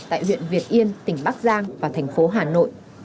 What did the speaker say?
tại huyện việt yên tỉnh bắc giang và thành phố hà nội